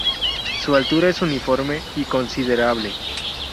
Su altura es uniforme y considerable.